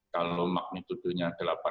kalau makmum tuduhnya delapan tujuh